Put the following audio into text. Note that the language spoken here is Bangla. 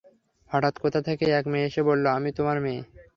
হঠাৎ কোথা খেকে এক মেয়ে এসে বলে, আমি তোমার মেয়ে।